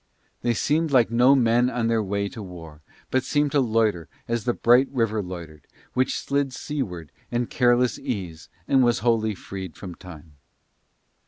They seemed like no men on their way to war, but seemed to loiter as the bright river loitered, which slid seaward in careless ease and was wholly freed from time.